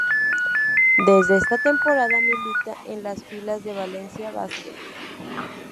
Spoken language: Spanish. Desde esta temporada milita en las filas de Valencia Basket.